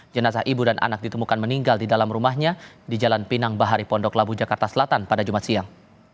jenazah ibu dan anak ditemukan meninggal di dalam rumahnya di jalan pinang bahari pondok labu jakarta selatan pada jumat siang